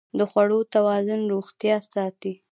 د خوړو توازن روغتیا ساتي.